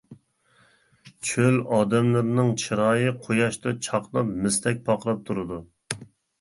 چۆل ئادەملىرىنىڭ چىرايى قۇياشتا چاقناپ مىستەك پارقىراپ تۇرىدۇ.